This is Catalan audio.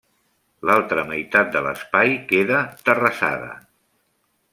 L'altra meitat de l'espai queda terrassada.